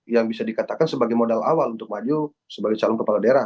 yang bisa dikatakan sebagai modal awal untuk maju sebagai calon kepala daerah